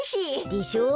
でしょ？